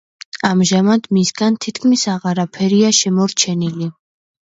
ამჟამად მისგან თითქმის აღარაფერია შემორჩენილი.